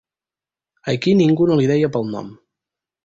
Aquí ningú no li deia pel nom.